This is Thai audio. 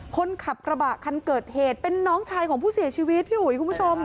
คนขับกระบะคันเกิดเหตุเป็นน้องชายของผู้เสียชีวิตพี่อุ๋ยคุณผู้ชม